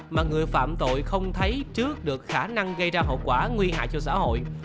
mà người phạm tội không thấy trước được khả năng gây ra hậu quả nguy hại cho xã hội